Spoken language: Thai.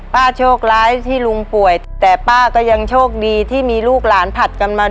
โชคร้ายที่ลุงป่วยแต่ป้าก็ยังโชคดีที่มีลูกหลานผัดกันมา